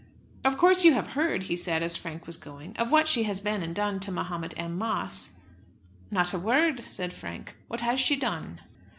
"Of course you have heard," he said, as Frank was going, "of what she has been and done to Mahomet M. Moss?" "Not a word," said Frank. "What has she done?"